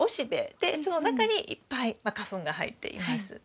でその中にいっぱい花粉が入っています。